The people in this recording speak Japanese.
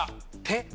手？